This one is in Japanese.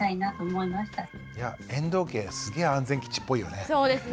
いや遠藤家すげえ安全基地っぽいよね。